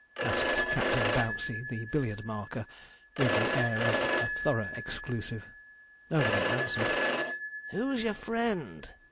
asked Captain Bouncey, the billiard marker, with the air of a thorough exclusive. Nobody answered. 'Who's your friend?'